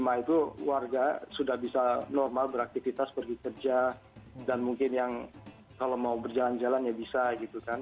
lima itu warga sudah bisa normal beraktivitas pergi kerja dan mungkin yang kalau mau berjalan jalan ya bisa gitu kan